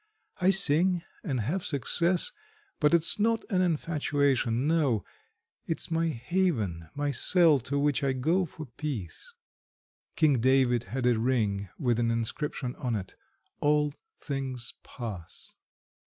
I sing and have success, but it's not an infatuation; no, it's my haven, my cell to which I go for peace. King David had a ring with an inscription on it: 'All things pass.'